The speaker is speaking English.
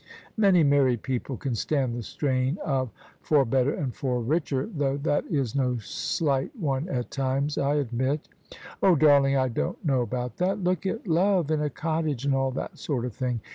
Many married people can stand the strain of * for better ' and ' for richer '— ^though that is no slight one at times, I admit" "Oh! darling, I don't know about that Look at love in a cottage, and all that sort of thing.